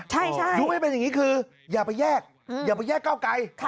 ใช่ยุ๊กให้เป็นอย่างนี้คืออย่าไปแยกเก้าไก่